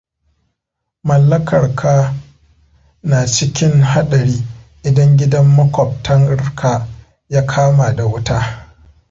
Mallakar ka na cikin haɗari idan gidan makobtar ka ya kama da wuta.